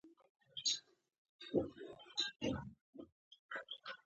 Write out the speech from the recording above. چوپه چوپتيا شوه، مور، لور او زوی پيسو ته کتل…